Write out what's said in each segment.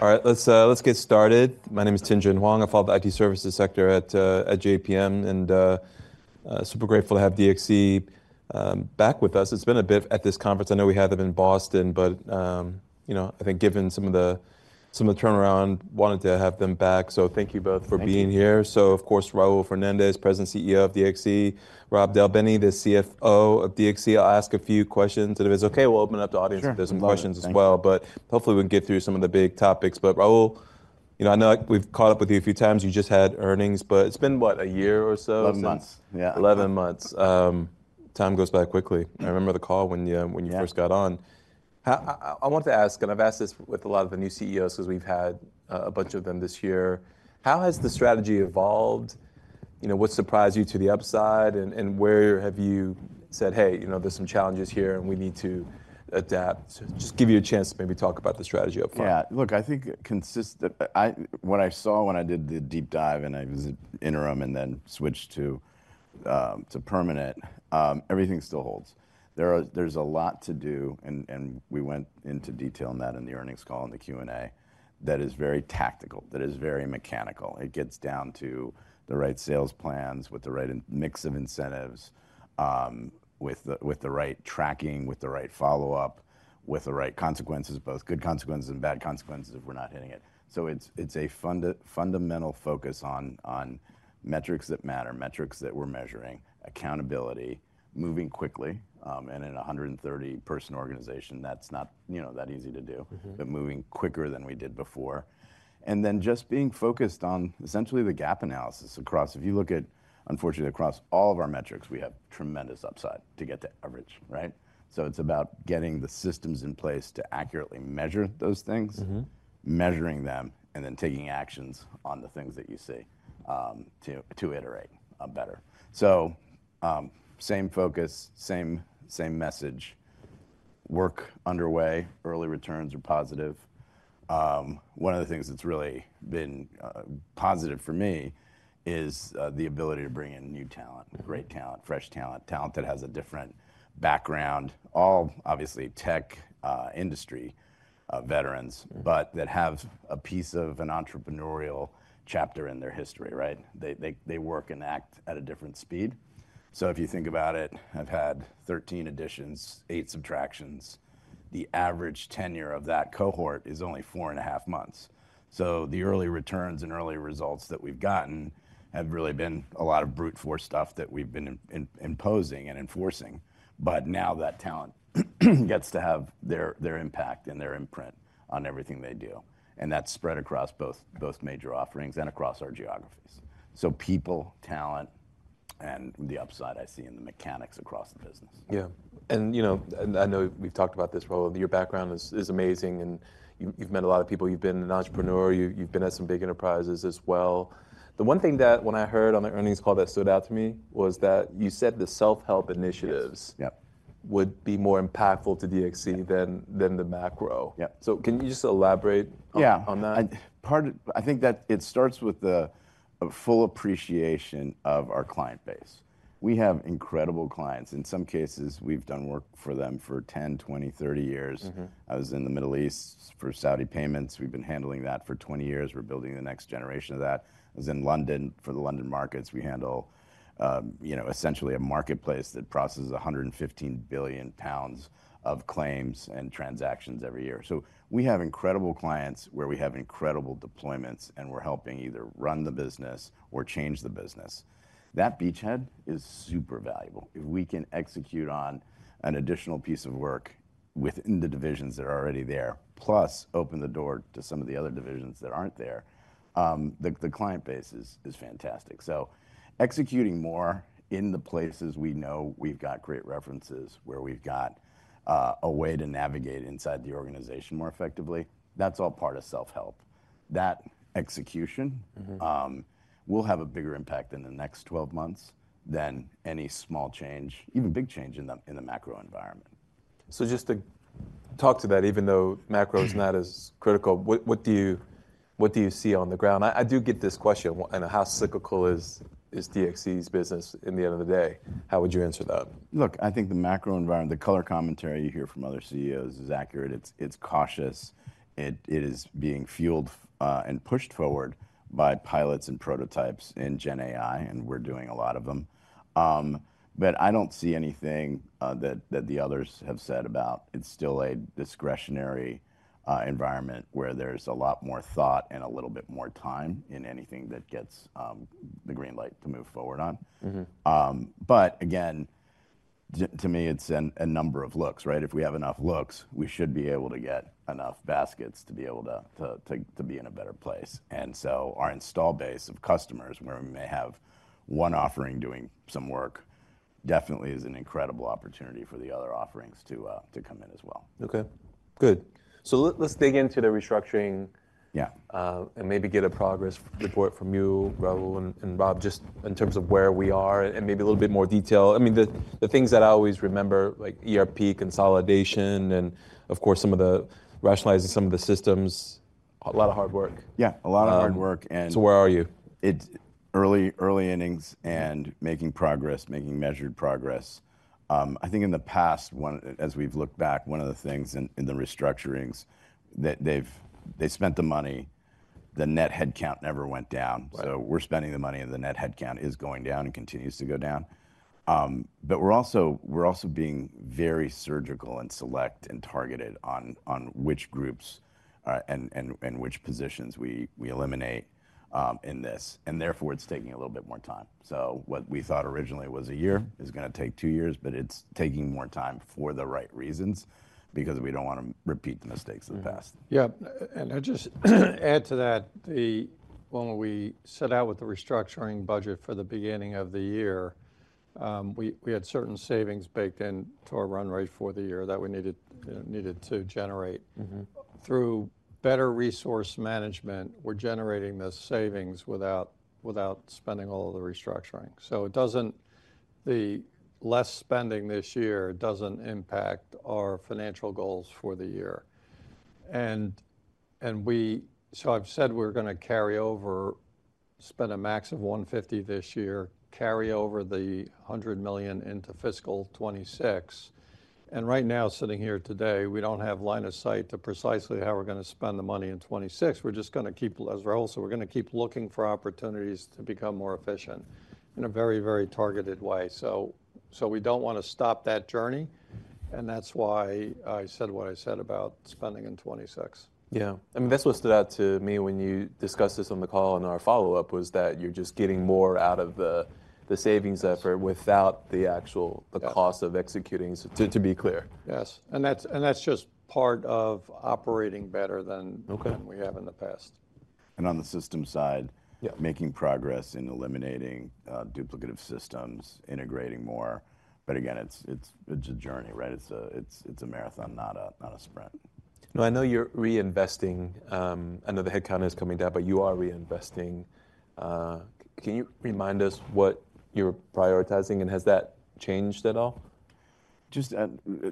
All right, let's get started. My name is Tien-Tsin Huang. I follow the IT services sector at JPM, and super grateful to have DXC back with us. It's been a bit at this conference. I know we had them in Boston, but I think given some of the turnaround, wanted to have them back, so thank you both for being here, so of course, Raul Fernandez, President and CEO of DXC, Rob Del Bene, the CFO of DXC. I'll ask a few questions. If it's OK, we'll open it up to audience if there's some questions as well, but hopefully we can get through some of the big topics, but Raul Fernandez, I know we've caught up with you a few times. You just had earnings, but it's been what, a year or so? 11 months. 11 months. Time goes by quickly. I remember the call when you first got on. I wanted to ask, and I've asked this with a lot of the new CEOs because we've had a bunch of them this year. How has the strategy evolved? What surprised you to the upside? And where have you said, hey, there's some challenges here and we need to adapt? Just give you a chance to maybe talk about the strategy up-front. Yeah, look, I think what I saw when I did the deep dive and I was in interim and then switched to permanent, everything still holds. There's a lot to do, and we went into detail on that in the earnings call and the Q&A, that is very tactical, that is very mechanical. It gets down to the right sales plans with the right mix of incentives, with the right tracking, with the right follow-up, with the right consequences, both good consequences and bad consequences if we're not hitting it. So it's a fundamental focus on metrics that matter, metrics that we're measuring, accountability, moving quickly, and in a 130,000-person organization, that's not that easy to do, but moving quicker than we did before. And then just being focused on essentially the gap analysis across, if you look at, unfortunately, across all of our metrics, we have tremendous upside to get to average. So it's about getting the systems in place to accurately measure those things, measuring them, and then taking actions on the things that you see to iterate better. So same focus, same message, work underway, early returns are positive. One of the things that's really been positive for me is the ability to bring in new talent, great talent, fresh talent, talent that has a different background, all obviously tech industry veterans, but that have a piece of an entrepreneurial chapter in their history. They work and act at a different speed. So if you think about it, I've had 13 additions, eight subtractions. The average tenure of that cohort is only four and 1/2 months. So the early returns and early results that we've gotten have really been a lot of brute force stuff that we've been imposing and enforcing. But now that talent gets to have their impact and their imprint on everything they do. And that's spread across both major offerings and across our geographies. So people, talent, and the upside I see in the mechanics across the business. Yeah. And I know we've talked about this, Raul Fernandez. Your background is amazing. And you've met a lot of people. You've been an entrepreneur. You've been at some big enterprises as well. The one thing that when I heard on the earnings call that stood out to me was that you said the self-help initiatives would be more impactful to DXC than the macro. So can you just elaborate on that? Yeah. I think that it starts with the full appreciation of our client base. We have incredible clients. In some cases, we've done work for them for 10, 20, 30 years. I was in the Middle East for Saudi Payments. We've been handling that for 20 years. We're building the next generation of that. I was in London for the London markets. We handle essentially a marketplace that processes 115 billion pounds of claims and transactions every year. So we have incredible clients where we have incredible deployments, and we're helping either run the business or change the business. That beachhead is super valuable. If we can execute on an additional piece of work within the divisions that are already there, plus open the door to some of the other divisions that aren't there, the client base is fantastic. So executing more in the places we know we've got great references, where we've got a way to navigate inside the organization more effectively, that's all part of self-help. That execution will have a bigger impact in the next 12 months than any small change, even big change in the macro environment. So just to talk to that, even though macro is not as critical, what do you see on the ground? I do get this question. How cyclical is DXC's business at the end of the day? How would you answer that? Look, I think the macro environment, the color commentary you hear from other CEOs is accurate. It's cautious. It is being fueled and pushed forward by pilots and prototypes in Gen AI, and we're doing a lot of them. But I don't see anything that the others have said about. It's still a discretionary environment where there's a lot more thought and a little bit more time in anything that gets the green light to move forward on. But again, to me, it's a number of looks. If we have enough looks, we should be able to get enough baskets to be able to be in a better place. And so our install base of customers, where we may have one offering doing some work, definitely is an incredible opportunity for the other offerings to come in as well. OK, good. So let's dig into the restructuring and maybe get a progress report from you, Raul Fernandez and Rob Del Bene, just in terms of where we are and maybe a little bit more detail. I mean, the things that I always remember, like ERP consolidation and, of course, some of the rationalizing some of the systems, a lot of hard work. Yeah, a lot of hard work. Where are you? Early earnings and making progress, making measured progress. I think in the past, as we've looked back, one of the things in the restructurings, they've spent the money. The net headcount never went down, so we're spending the money, and the net headcount is going down and continues to go down, but we're also being very surgical, select, and targeted on which groups and which positions we eliminate in this, and therefore, it's taking a little bit more time, so what we thought originally was a year is going to take two years, but it's taking more time for the right reasons because we don't want to repeat the mistakes of the past. Yeah. And I'll just add to that. When we set out with the restructuring budget for the beginning of the year, we had certain savings baked into our run rate for the year that we needed to generate. Through better resource management, we're generating those savings without spending all of the restructuring. So the less spending this year doesn't impact our financial goals for the year. And so I've said we're going to carry over, spend a max of $150 million this year, carry over the $100 million into fiscal 2026. And right now, sitting here today, we don't have line of sight to precisely how we're going to spend the money in 2026. We're just going to keep, as Raul Fernandez, so we're going to keep looking for opportunities to become more efficient in a very, very targeted way. So we don't want to stop that journey. That's why I said what I said about spending in 2026. Yeah. I mean, that's what stood out to me when you discussed this on the call in our follow-up was that you're just getting more out of the savings effort without the actual cost of executing, to be clear. Yes, and that's just part of operating better than we have in the past. And on the system side, making progress in eliminating duplicative systems, integrating more. But again, it's a journey. It's a marathon, not a sprint. I know you're reinvesting. I know the headcount is coming down, but you are reinvesting. Can you remind us what you're prioritizing? And has that changed at all? I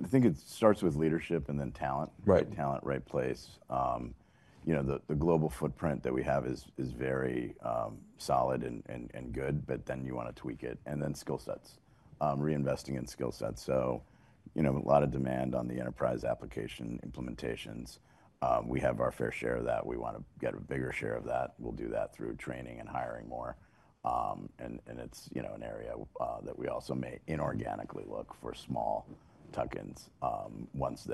think it starts with leadership and then talent, right talent, right place. The global footprint that we have is very solid and good, but then you want to tweak it and then skill sets, reinvesting in skill sets, so a lot of demand on the enterprise application implementations. We have our fair share of that. We want to get a bigger share of that. We'll do that through training and hiring more, and it's an area that we also may inorganically look for small tuck-ins once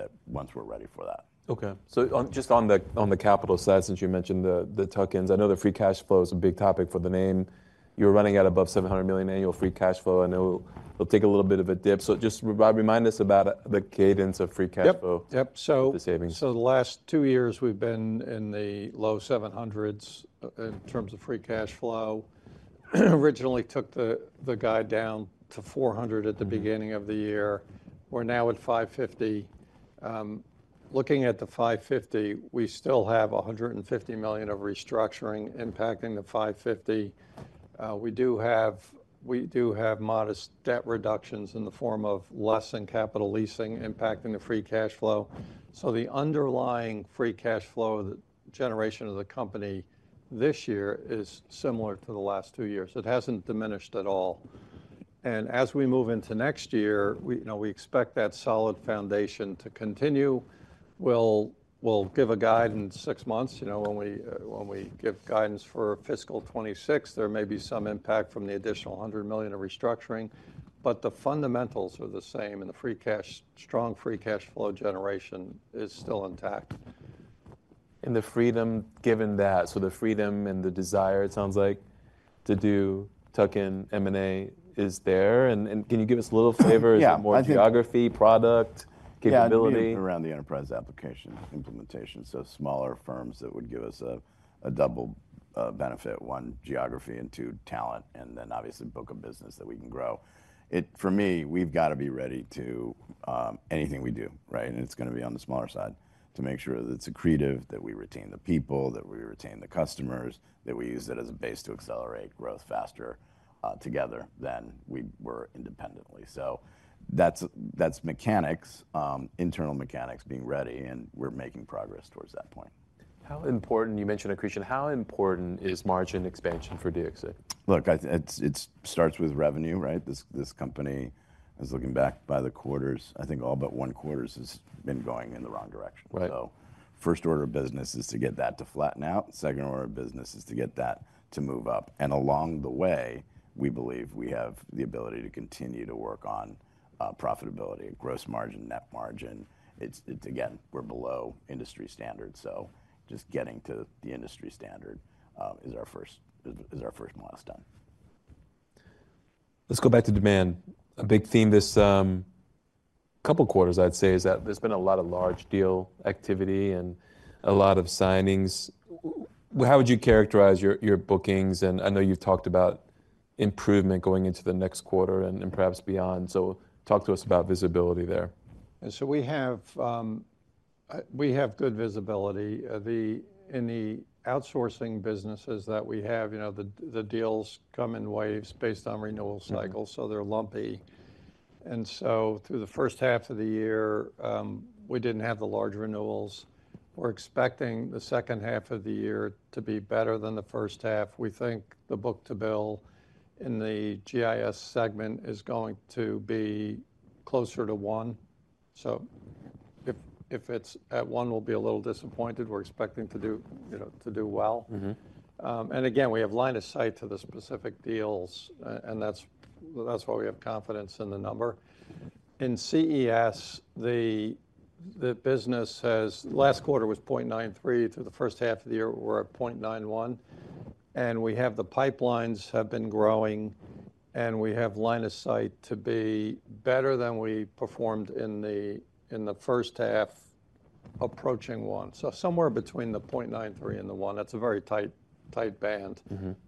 we're ready for that. OK. So just on the capital side, since you mentioned the tuck-ins, I know the free cash flow is a big topic for the name. You're running at above $700 million annual free cash flow. I know it'll take a little bit of a dip. So just remind us about the cadence of free cash flow. Yep. So the last two years, we've been in the low $700s in terms of free cash flow. Originally, we took the guide down to $400 million at the beginning of the year. We're now at $550 million. Looking at the $550 million, we still have $150 million of restructuring impacting the $550 million. We do have modest debt reductions in the form of less in capital leasing impacting the free cash flow. So the underlying free cash flow generation of the company this year is similar to the last two years. It hasn't diminished at all, and as we move into next year, we expect that solid foundation to continue. We'll give a guide in six months. When we give guidance for fiscal 2026, there may be some impact from the additional $100 million of restructuring. The fundamentals are the same, and the strong free cash flow generation is still intact. The freedom given that, so the freedom and the desire, it sounds like, to do tuck-in M&A is there. Can you give us a little flavor? Is it more geography, product, capability? Yeah, around the enterprise application implementation. So smaller firms that would give us a double benefit, one, geography, and two, talent, and then obviously book of business that we can grow. For me, we've got to be ready to anything we do. And it's going to be on the smaller side to make sure that it's accretive, that we retain the people, that we retain the customers, that we use it as a base to accelerate growth faster together than we were independently. So that's mechanics, internal mechanics being ready, and we're making progress towards that point. You mentioned accretion. How important is margin expansion for DXC? Look, it starts with revenue. This company, I was looking back by the quarters, I think all but one quarter has been going in the wrong direction. So first order of business is to get that to flatten out. Second order of business is to get that to move up, and along the way, we believe we have the ability to continue to work on profitability, gross margin, net margin. Again, we're below industry standard, so just getting to the industry standard is our first milestone. Let's go back to demand. A big theme this couple of quarters, I'd say, is that there's been a lot of large deal activity and a lot of signings. How would you characterize your bookings? And I know you've talked about improvement going into the next quarter and perhaps beyond. So talk to us about visibility there. We have good visibility. In the outsourcing businesses that we have, the deals come in waves based on renewal cycles. They're lumpy. Through the first-half of the year, we didn't have the large renewals. We're expecting the second-half of the year to be better than the first-half. We think the book-to-bill in the GIS segment is going to be closer to one. If it's at one, we'll be a little disappointed. We're expecting to do well. Again, we have line of sight to the specific deals, and that's why we have confidence in the number. In CES, the business says last quarter was 0.93. Through the first-half of the year, we're at 0.91. And we have the pipelines have been growing, and we have line of sight to be better than we performed in the first-half approaching one. So somewhere between the 0.93 and the one. That's a very tight band.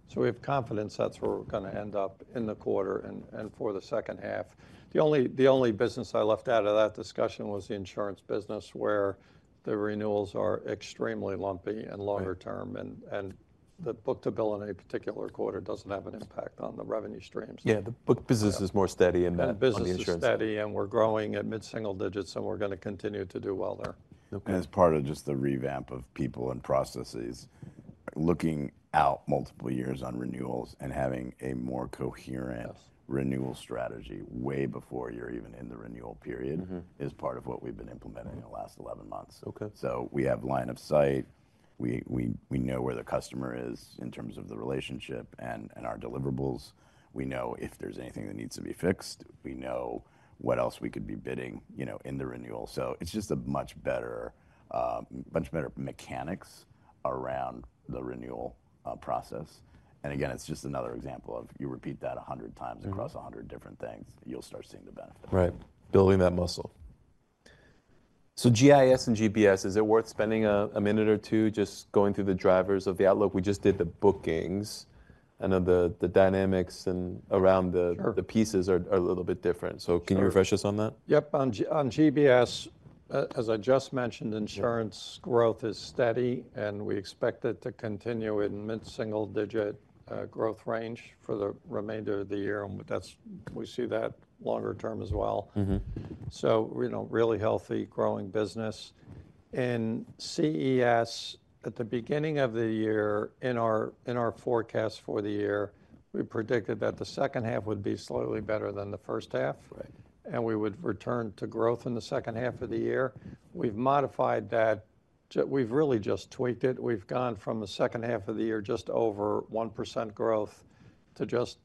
So we have confidence that's where we're going to end up in the quarter and for the second-half. The only business I left out of that discussion was the insurance business, where the renewals are extremely lumpy and longer term. And the book-to-bill in a particular quarter doesn't have an impact on the revenue streams. Yeah, the book business is more steady in that. The business is steady, and we're growing at mid-single-digits, and we're going to continue to do well there. And as part of just the revamp of people and processes, looking out multiple years on renewals and having a more coherent renewal strategy way before you're even in the renewal period is part of what we've been implementing in the last 11 months. So we have line of sight. We know where the customer is in terms of the relationship and our deliverables. We know if there's anything that needs to be fixed. We know what else we could be bidding in the renewal. So it's just a much better mechanics around the renewal process. And again, it's just another example of you repeat that 100 times across 100 different things, you'll start seeing the benefit. Right, building that muscle. So GIS and GBS, is it worth spending a minute or two just going through the drivers of the outlook? We just did the bookings. I know the dynamics around the pieces are a little bit different. So can you refresh us on that? Yep. On GBS, as I just mentioned, insurance growth is steady, and we expect it to continue in mid-single digit growth range for the remainder of the year. We see that longer term as well, so really healthy, growing business. In CES, at the beginning of the year, in our forecast for the year, we predicted that the second-half would be slightly better than the first-half, and we would return to growth in the second-half of the year. We've modified that. We've really just tweaked it. We've gone from the second-half of the year just over 1% growth to just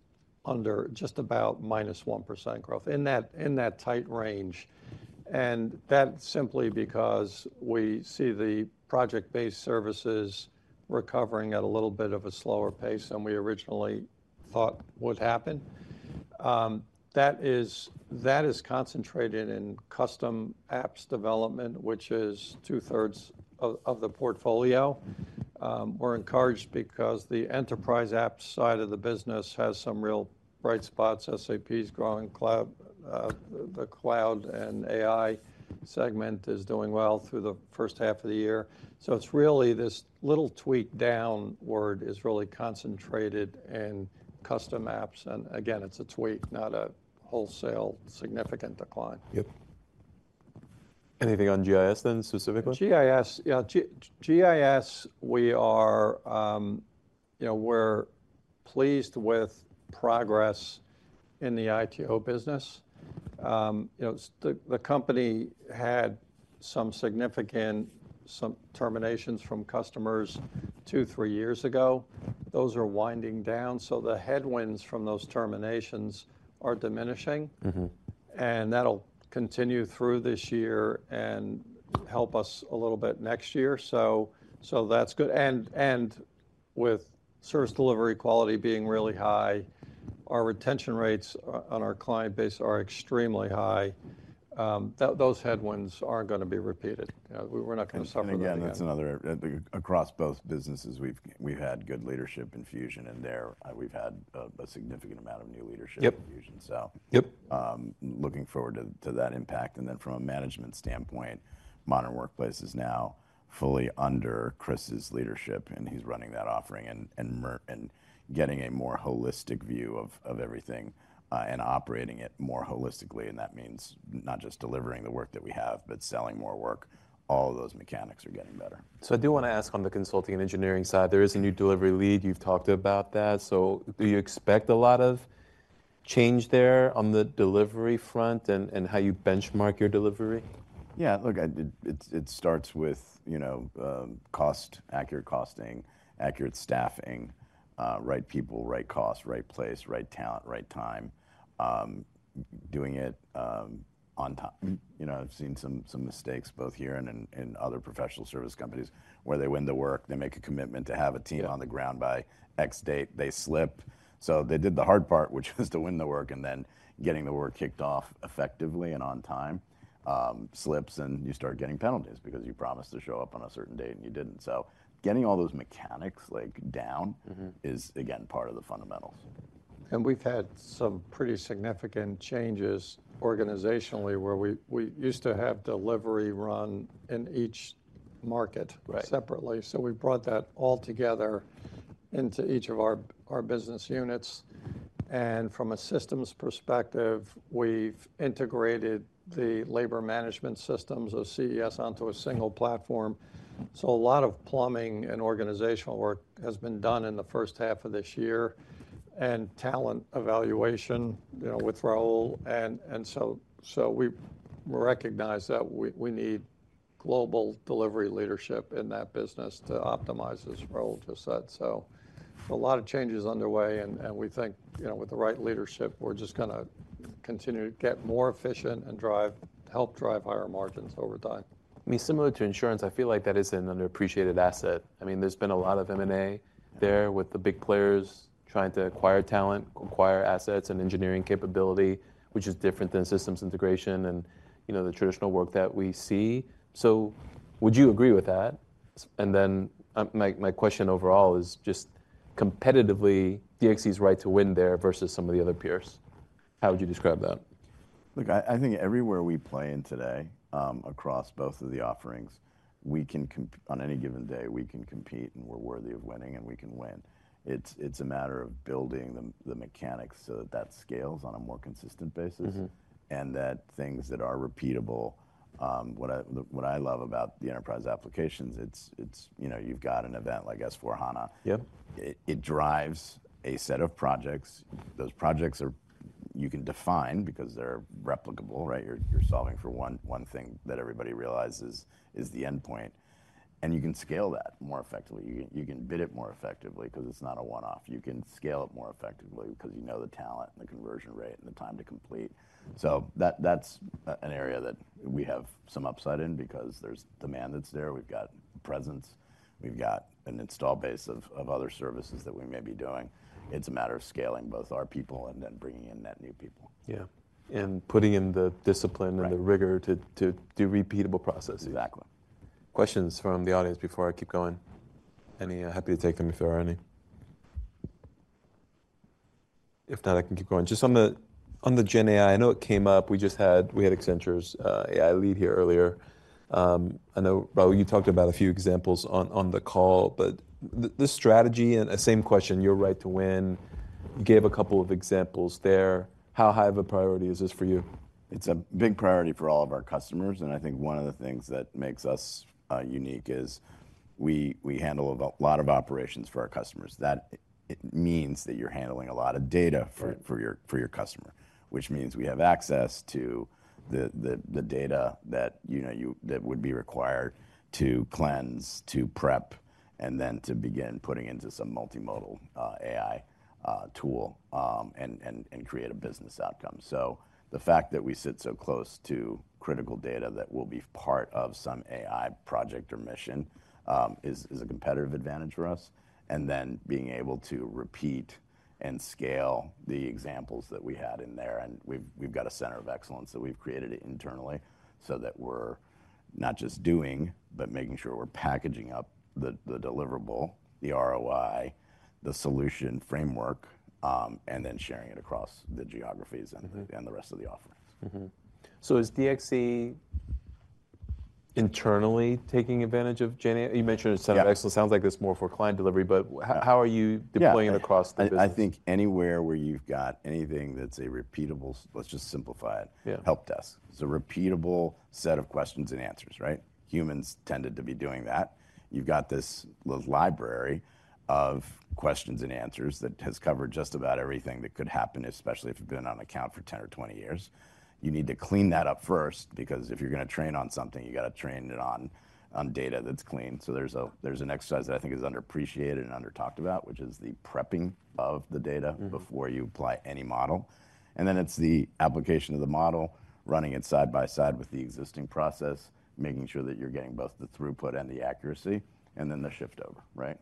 under just about -1% growth in that tight range, and that's simply because we see the project-based services recovering at a little bit of a slower pace than we originally thought would happen. That is concentrated in custom apps development, which is two-thirds of the portfolio. We're encouraged because the enterprise apps side of the business has some real bright spots. SAP is growing. The cloud and AI segment is doing well through the first half of the year. So it's really this little tweak downward is really concentrated in custom apps. And again, it's a tweak, not a wholesale significant decline. Yep. Anything on GIS then, specifically? GIS, yeah. GIS, we are pleased with progress in the ITO business. The company had some significant terminations from customers two or three years ago. Those are winding down. So the headwinds from those terminations are diminishing. And that'll continue through this year and help us a little bit next year. So that's good. And with service delivery quality being really high, our retention rates on our client base are extremely high. Those headwinds aren't going to be repeated. We're not going to suffer anything. And again, that's another across both businesses. We've had good leadership infusion in there. We've had a significant amount of new leadership infusion, so looking forward to that impact, and then from a management standpoint, Modern Workplace is now fully under Chris Drumgoole leadership, and he's running that offering and getting a more holistic view of everything and operating it more holistically, and that means not just delivering the work that we have, but selling more work. All of those mechanics are getting better. I do want to ask on the consulting and engineering side. There is a new delivery lead. You've talked about that. Do you expect a lot of change there on the delivery front and how you benchmark your delivery? Yeah. Look, it starts with accurate costing, accurate staffing, right people, right cost, right place, right talent, right time, doing it on time. I've seen some mistakes both here and in other professional service companies where they win the work. They make a commitment to have a team on the ground by X date. They slip. So they did the hard part, which was to win the work and then getting the work kicked off effectively and on time. Slips, and you start getting penalties because you promised to show up on a certain date, and you didn't. So getting all those mechanics down is, again, part of the fundamentals. And we've had some pretty significant changes organizationally where we used to have delivery run in each market separately. So we brought that all together into each of our business units. And from a systems perspective, we've integrated the labor management systems of CES onto a single platform. So a lot of plumbing and organizational work has been done in the first-half of this year and talent evaluation, withdrawal. And so we recognize that we need global delivery leadership in that business to optimize this role. Just that. So a lot of changes underway. And we think with the right leadership, we're just going to continue to get more efficient and help drive higher margins over time. I mean, similar to insurance, I feel like that is an underappreciated asset. I mean, there's been a lot of M&A there with the big players trying to acquire talent, acquire assets, and engineering capability, which is different than systems integration and the traditional work that we see. So would you agree with that? And then my question overall is just competitively DXC's right to win there versus some of the other peers. How would you describe that? Look, I think everywhere we play in today across both of the offerings, on any given day, we can compete and we're worthy of winning and we can win. It's a matter of building the mechanics so that that scales on a more consistent basis and that things that are repeatable. What I love about the enterprise applications: you've got an event like SAP S/4HANA. It drives a set of projects. Those projects you can define because they're replicable. You're solving for one thing that everybody realizes is the endpoint, and you can scale that more effectively. You can bid it more effectively because it's not a one-off. You can scale it more effectively because you know the talent and the conversion rate and the time to complete, so that's an area that we have some upside in because there's demand that's there. We've got presence. We've got an installed base of other services that we may be doing. It's a matter of scaling both our people and then bringing in net new people. Yeah. And putting in the discipline and the rigor to do repeatable processes. Exactly. Questions from the audience before I keep going? Any? Happy to take them if there are any. If not, I can keep going. Just on the GenAI, I know it came up. We had Accenture's AI lead here earlier. I know, Raul Fernandez, you talked about a few examples on the call, but the strategy and same question, your right to win. You gave a couple of examples there. How high of a priority is this for you? It's a big priority for all of our customers. And I think one of the things that makes us unique is we handle a lot of operations for our customers. That means that you're handling a lot of data for your customer, which means we have access to the data that would be required to cleanse, to prep, and then to begin putting into some multimodal AI tool and create a business outcome. So the fact that we sit so close to critical data that will be part of some AI project or mission is a competitive advantage for us. And then being able to repeat and scale the examples that we had in there. We've got a center of excellence that we've created internally so that we're not just doing, but making sure we're packaging up the deliverable, the ROI, the solution framework, and then sharing it across the geographies and the rest of the offerings. So is DXC internally taking advantage of GenAI? You mentioned a Center of Excellence. Sounds like it's more for client delivery, but how are you deploying it across the business? I think anywhere where you've got anything that's a repeatable, let's just simplify it, help desk. It's a repeatable set of questions and answers, right? Humans tended to be doing that. You've got this library of questions and answers that has covered just about everything that could happen, especially if you've been on account for 10 years or 20 years. You need to clean that up first because if you're going to train on something, you've got to train it on data that's clean. So there's an exercise that I think is underappreciated and under-talked about, which is the prepping of the data before you apply any model. And then it's the application of the model running it side by side with the existing process, making sure that you're getting both the throughput and the accuracy, and then the shift over, right?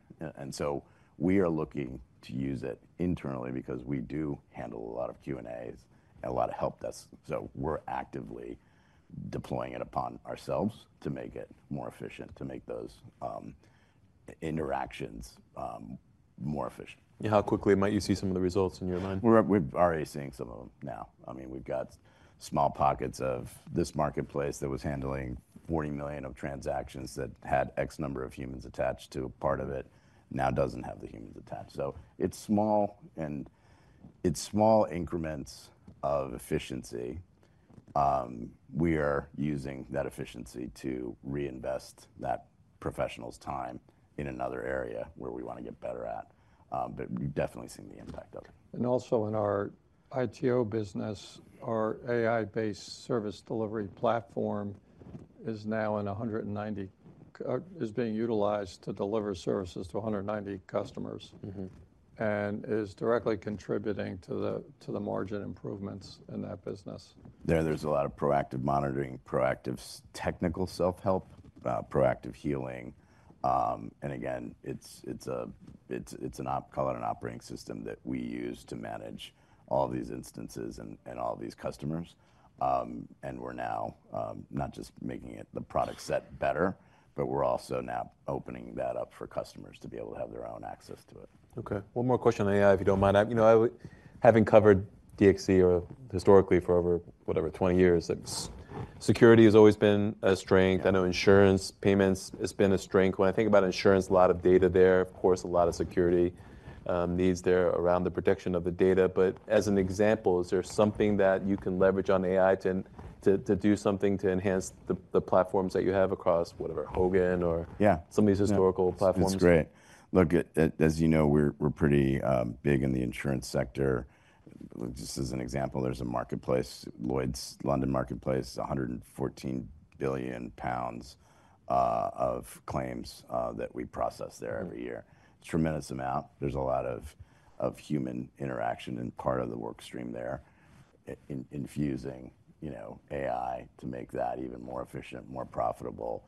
We are looking to use it internally because we do handle a lot of Q&As and a lot of help desk. We're actively deploying it upon ourselves to make it more efficient, to make those interactions more efficient. How quickly might you see some of the results in your mind? We're already seeing some of them now. I mean, we've got small pockets of this marketplace that was handling 40 million of transactions that had X number of humans attached to a part of it now doesn't have the humans attached. So it's small increments of efficiency. We are using that efficiency to reinvest that professional's time in another area where we want to get better at. But we've definitely seen the impact of it. And also in our ITO business, our AI-based service delivery platform is now in 190, is being utilized to deliver services to 190 customers and is directly contributing to the margin improvements in that business. There's a lot of proactive monitoring, proactive technical self-help, proactive healing. And again, it's an, call it an operating system that we use to manage all these instances and all these customers. And we're now not just making the product set better, but we're also now opening that up for customers to be able to have their own access to it. Okay. One more question on AI, if you don't mind. Having covered DXC historically for over, whatever, 20 years, security has always been a strength. I know insurance payments has been a strength. When I think about insurance, a lot of data there, of course, a lot of security needs there around the protection of the data. But as an example, is there something that you can leverage on AI to do something to enhance the platforms that you have across, whatever, Hogan or some of these historical platforms? Yeah. Look, as you know, we're pretty big in the insurance sector. Just as an example, there's a marketplace, Lloyd's of London Marketplace, 114 billion pounds of claims that we process there every year. It's a tremendous amount. There's a lot of human interaction and part of the workstream there. Infusing AI to make that even more efficient, more profitable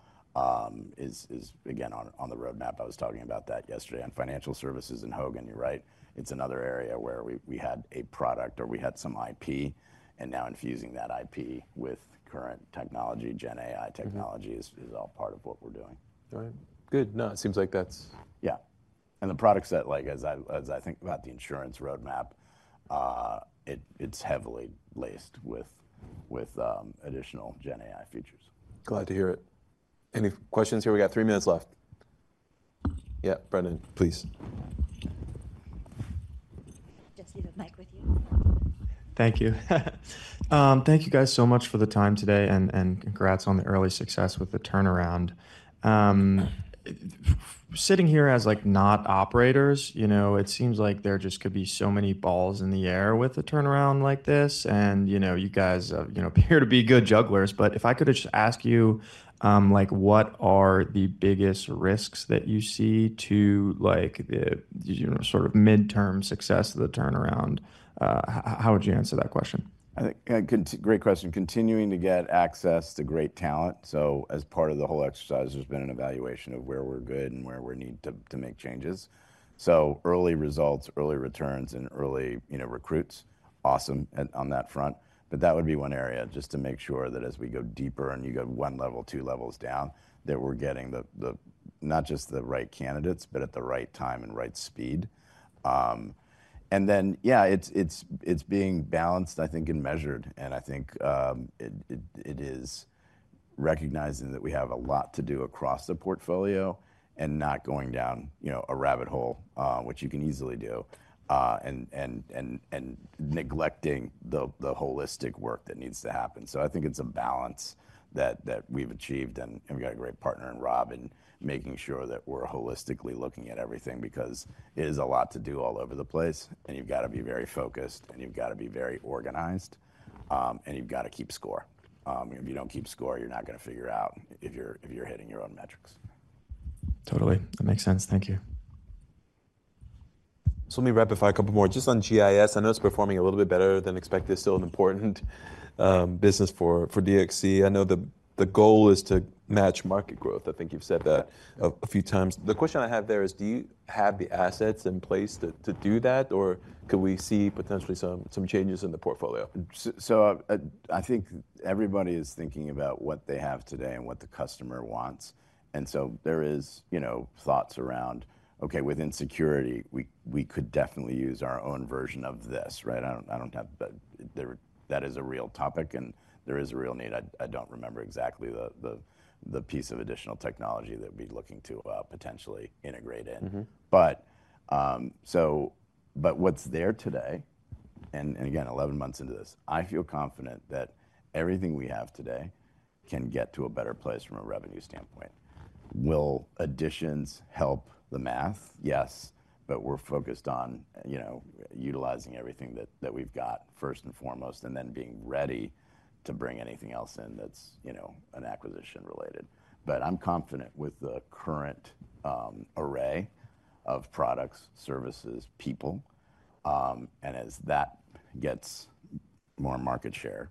is, again, on the roadmap. I was talking about that yesterday on financial services and Hogan, you're right. It's another area where we had a product or we had some IP and now infusing that IP with current technology, GenAI technology is all part of what we're doing. All right. Good. No, it seems like that's. Yeah, and the product set, as I think about the insurance roadmap, it's heavily laced with additional GenAI features. Glad to hear it. Any questions here? We got three minutes left. Yeah, Brendan, please. Just leave a mic with you. Thank you. Thank you guys so much for the time today and congrats on the early success with the turnaround. Sitting here as non-operators, it seems like there just could be so many balls in the air with a turnaround like this, and you guys appear to be good jugglers, but if I could just ask you, what are the biggest risks that you see to sort of midterm success of the turnaround? How would you answer that question? Great question. Continuing to get access to great talent. So as part of the whole exercise, there's been an evaluation of where we're good and where we need to make changes. So early results, early returns, and early recruits, awesome on that front. But that would be one area just to make sure that as we go deeper and you go one level, two levels down, that we're getting not just the right candidates, but at the right time and right speed. And then, yeah, it's being balanced, I think, and measured. And I think it is recognizing that we have a lot to do across the portfolio and not going down a rabbit hole, which you can easily do, and neglecting the holistic work that needs to happen. So I think it's a balance that we've achieved. And we've got a great partner in Rob Del Bene in making sure that we're holistically looking at everything, because it is a lot to do all over the place. And you've got to be very focused, and you've got to be very organized, and you've got to keep score. If you don't keep score, you're not going to figure out if you're hitting your own metrics. Totally. That makes sense. Thank you. So let me wrap up with a couple more just on GIS. I know it's performing a little bit better than expected. It's still an important business for DXC. I know the goal is to match market growth. I think you've said that a few times. The question I have there is, do you have the assets in place to do that, or could we see potentially some changes in the portfolio? So I think everybody is thinking about what they have today and what the customer wants. And so there are thoughts around, okay, within security, we could definitely use our own version of this, right? That is a real topic, and there is a real need. I don't remember exactly the piece of additional technology that we'd be looking to potentially integrate in. But what's there today? And again, 11 months into this, I feel confident that everything we have today can get to a better place from a revenue standpoint. Will additions help the math? Yes, but we're focused on utilizing everything that we've got first and foremost and then being ready to bring anything else in that's an acquisition related. But I'm confident with the current array of products, services, people. And as that gets more market share,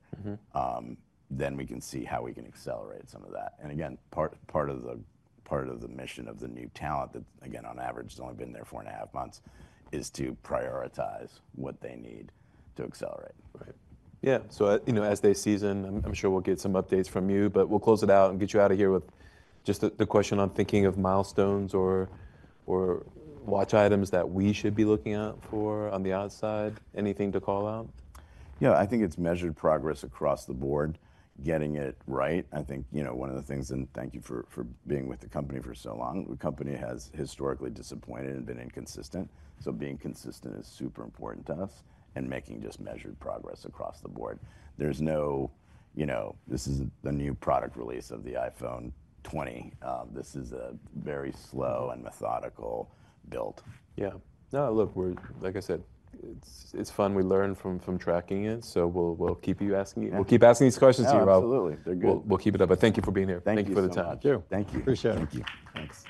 then we can see how we can accelerate some of that. And again, part of the mission of the new talent that, again, on average, has only been there four and a half months is to prioritize what they need to accelerate. Right. Yeah. So as they season, I'm sure we'll get some updates from you, but we'll close it out and get you out of here with just the question on thinking of milestones or watch items that we should be looking out for on the outside. Anything to call out? Yeah, I think it's measured progress across the board, getting it right. I think one of the things, and thank you for being with the company for so long, the company has historically disappointed and been inconsistent. So being consistent is super important to us and making just measured progress across the board. There's no, this is the new product release of the iPhone 20. This is a very slow and methodical build. Yeah. No, look, like I said, it's fun. We learn from tracking it. So we'll keep asking you. We'll keep asking these questions to you, Raul Fernandez. Absolutely. They're good. We'll keep it up. But thank you for being here. Thank you for the time. Thank you. Thank you. Appreciate it. Thank you. Thanks.